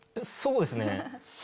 そうですね。